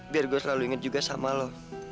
biar gue selalu inget juga sama lo